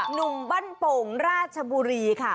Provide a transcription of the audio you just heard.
หนุ่มบ้านโป่งราชบุรีค่ะ